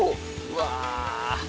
うわ。